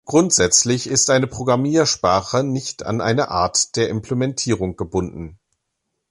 Grundsätzlich ist eine Programmiersprache nicht an eine Art der Implementierung gebunden.